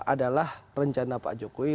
adalah rencana pak jokowi